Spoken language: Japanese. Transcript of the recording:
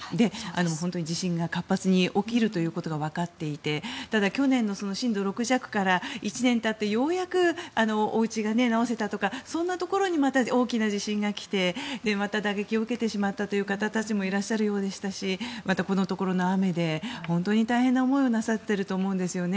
本当に地震が活発に起きるということがわかっていてただ、去年の震度６弱から１年たってようやくおうちが直せたとかそんなところにまた大きな地震が来てまた打撃を受けてしまったという方たちもいらっしゃるようですしまた、このところの雨で本当に大変な思いをなさっていると思うんですね。